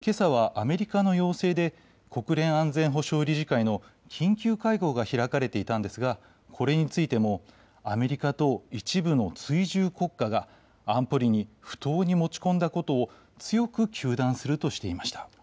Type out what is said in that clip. また、けさはアメリカの要請で国連安全保障理事会の緊急会合が開かれていたんですがこれについてもアメリカと一部の追従国家が安保理に不当に持ち込んだことを強く糾弾するとしていました。